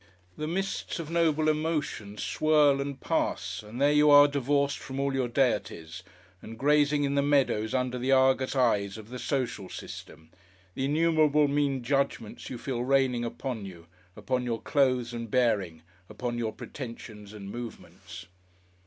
The mists of noble emotion swirl and pass and there you are divorced from all your deities and grazing in the meadows under the Argus eyes of the social system, the innumerable mean judgments you feel raining upon you, upon your clothes and bearing, upon your pretensions and movements.